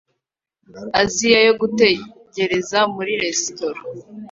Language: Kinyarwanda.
Aziya yo gutegereza muri resitora